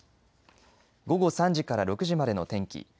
午後３時から６時までの天気。